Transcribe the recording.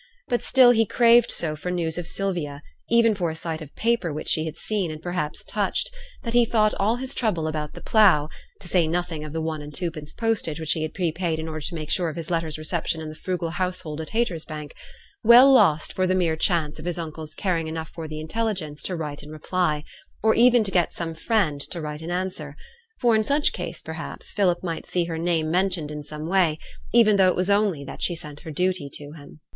But still he craved so for news of Sylvia even for a sight of paper which she had seen, and perhaps touched that he thought all his trouble about the plough (to say nothing of the one and twopence postage which he had prepaid in order to make sure of his letter's reception in the frugal household at Haytersbank) well lost for the mere chance of his uncle's caring enough for the intelligence to write in reply, or even to get some friend to write an answer; for in such case, perhaps, Philip might see her name mentioned in some way, even though it was only that she sent her duty to him.